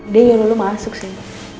dia yolo masuk sih